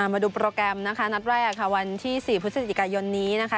มาดูโปรแกรมนะคะนัดแรกค่ะวันที่๔พฤศจิกายนนี้นะคะ